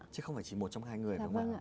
chứ không chỉ một trong hai người